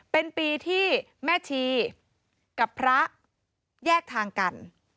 เป็นปีที่แม่ชีกับพระแยกทางกัน